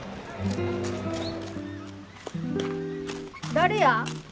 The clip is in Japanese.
誰や？